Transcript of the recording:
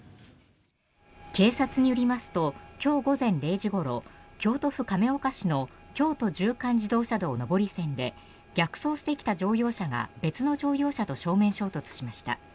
警察によりますと今日午前０時ごろ京都府亀岡市の京都縦貫自動車道上り線で逆走してきた乗用車が別の乗用車と正面衝突しました。